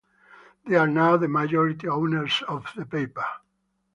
They are now the majority owners of the paper.